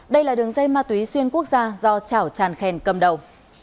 đây là đường dây ma túy xuyên quốc gia do chảo tràn khen cầm đầu